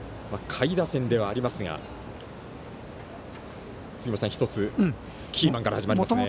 下位打線ではありますが１つキーマンから始まりますね。